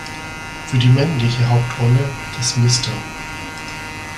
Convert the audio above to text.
Für die männliche Hauptrolle des Mr.